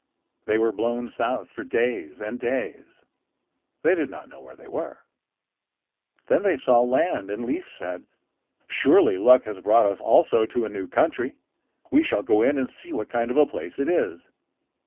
They were blown south for days and days. They did not know where they were. Then they saw land, and Leif said: "Surely luck has brought us also to a new country. We will go in and see what kind of a place it is."